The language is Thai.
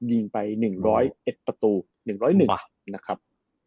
ยิงไป๑๐๑ประตู๑๐๑นะครับ